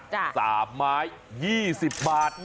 จ้ะค่ะสามไม้๒๐บาทโอ้ค่ะสามไม้๒๐บาท